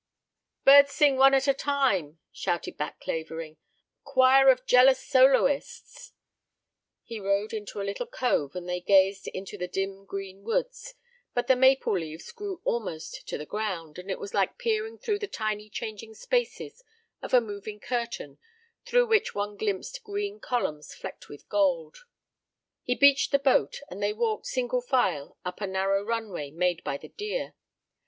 "Birds sing one at a time," shouted back Clavering. "Choir of jealous soloists." He rowed into a little cove and they gazed into the dim green woods, but the maple leaves grew almost to the ground, and it was like peering through the tiny changing spaces of a moving curtain through which one glimpsed green columns flecked with gold. He beached the boat, and they walked, single file, up a narrow run way made by the deer.